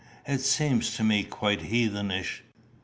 It seems to me quite heathenish.